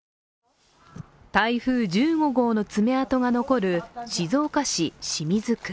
台風１５号の爪痕が残る静岡市清水区。